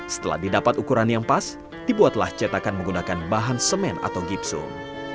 setelah didapat ukuran yang pas dibuatlah cetakan menggunakan bahan semen atau gipsum